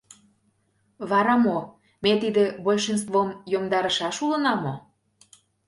Вара мо, ме тиде большинством йомдарышаш улына мо?